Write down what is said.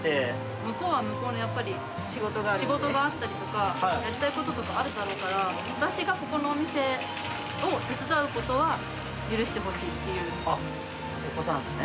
向こうは向こうのやっぱり、仕事があったりとか、やりたいこととかあるだろうから、私がここのお店を手伝うことは、そういうことなんですね。